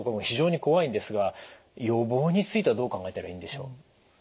非常に怖いんですが予防についてはどう考えたらいいんでしょう？